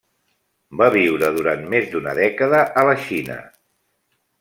Va viure durant més d'una dècada a la Xina.